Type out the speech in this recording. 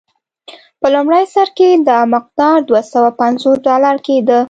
په لومړي سر کې دا مقدار دوه سوه پنځوس ډالر کېدل.